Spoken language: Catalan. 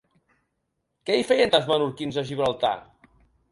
Què hi feien tants menorquins a Gibraltar?